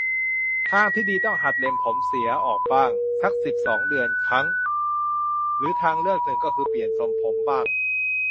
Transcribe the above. ทางที่ดีต้องหัดเล็มผมเสียออกบ้าง สัก สิบสอง เดือนครั้ง หรือทางเลือกหนึ่งก็คือเปลี่ยนทรงผมบ้าง